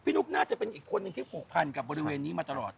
นุ๊กน่าจะเป็นอีกคนนึงที่ผูกพันกับบริเวณนี้มาตลอด